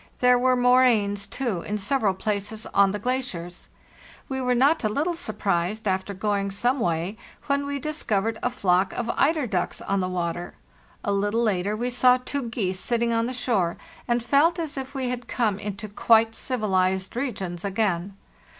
There were moraines, too, in several places on the glaciers. We were not a little surprised, after going some way, when we discovered a flock of eider ducks on the water. A little later we saw two geese sitting on the shore, and felt as if we had come into quite civilized regions again.